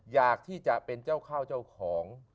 อยากที่จะเป็นเจ้าข้าวเจ้าของ